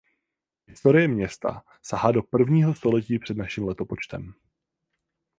Historie města sahá do prvního století před naším letopočtem.